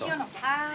はい。